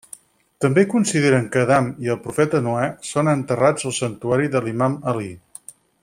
També consideren que Adam i el profeta Noè són enterrats al santuari de l'imam Alí.